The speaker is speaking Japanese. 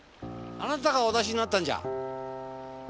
あなたがお出しになったんじゃ？